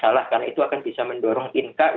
jumlahnya hanya dibatasi untuk kualitas